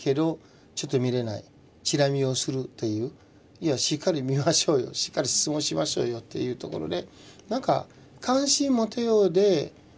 いやしっかり見ましょうよしっかり質問しましょうよっていうところで。